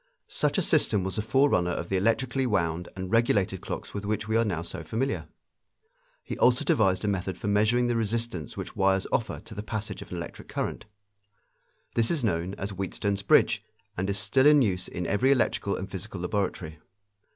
Such a system was the forerunner of the electrically wound and regulated clocks with which we are now so familiar. He also devised a method for measuring the resistance which wires offer to the passage of an electric current. This is known as Wheatstone's bridge and is still in use in every electrical and physical laboratory.